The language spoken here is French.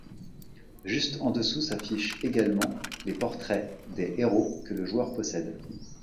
Juste en dessous s’affichent également les portraits des héros que le joueur possède.